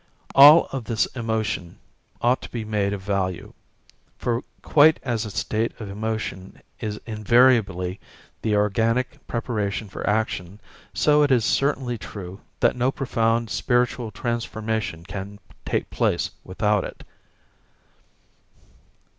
All of this emotion ought to be made of value, for quite as a state of emotion is invariably the organic preparation for action, so it is certainly true that no profound spiritual transformation can take place without it.